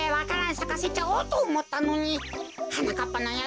さかせちゃおうとおもったのにはなかっぱのやつ